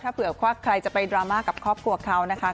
ถ้าเผื่อว่าใครจะไปดราม่ากับครอบครัวเขานะคะ